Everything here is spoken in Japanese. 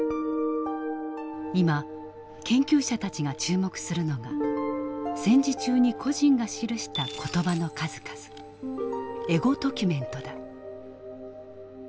今研究者たちが注目するのが戦時中に個人が記した言葉の数々エゴドキュメントだ。